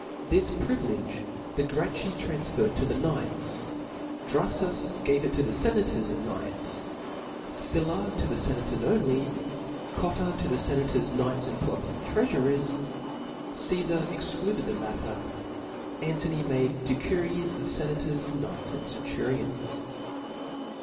This privilege the Gracchi O ansferred to the knights ; Drufus gave it to the ienators and knights ^ Sylla to the fenators only ; Cotu to the fenators» knights, and public treafu* rers; Casfar excluded the latter 3 Antony made de XMxitH of fenators, knights, and denturions.